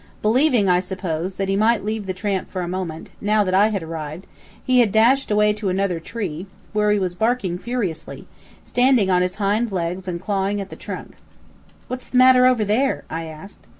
Believing, I suppose, that he might leave the tramp for a moment, now that I had arrived, he had dashed away to another tree, where he was barking furiously, standing on his hind legs and clawing at the trunk. "What's the matter over there?" I asked.